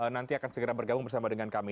nanti akan segera bergabung bersama dengan kami